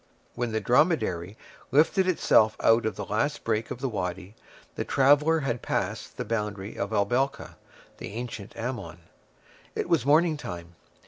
When the dromedary lifted itself out of the last break of the wady, the traveller had passed the boundary of El Belka, the ancient Ammon. It was morning time.